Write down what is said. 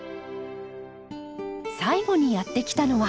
最後にやって来たのは。